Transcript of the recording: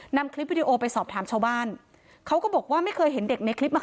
นำคลิปวิดีโอไปสอบถามชาวบ้านเขาก็บอกว่าไม่เคยเห็นเด็กในคลิปอ่ะ